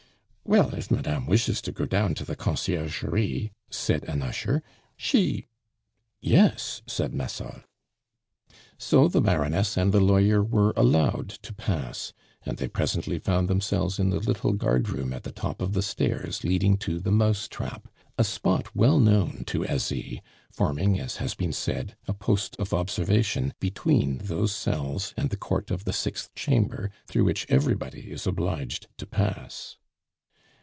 "Well, if Madame wishes to go down to the Conciergerie," said an usher, "she " "Yes," said Massol. So the Baroness and the lawyer were allowed to pass, and they presently found themselves in the little guard room at the top of the stairs leading to the "mousetrap," a spot well known to Asie, forming, as has been said, a post of observation between those cells and the Court of the Sixth Chamber, through which everybody is obliged to pass.